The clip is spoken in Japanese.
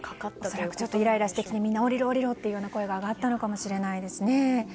恐らくちょっとイライラして下りろという声が上がったのかもしれないですね。